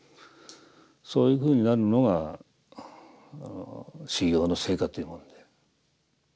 そういうふうになるのが修行の成果というものでま